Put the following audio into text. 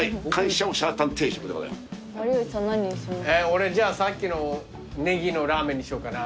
俺じゃあさっきのネギのラーメンにしようかな。